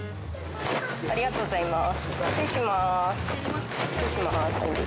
ありがとうございます。